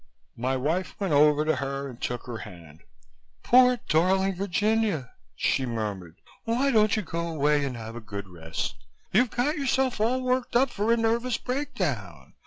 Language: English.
My wife went over to her and took her hand. "Poor, darling Virginia," she murmured, "why don't you go away and have a good rest? You've got yourself all worked up for a nervous breakdown.